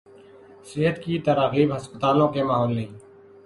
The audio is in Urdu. صحت کی تراغیب ہسپتالوں کے ماحول نہیں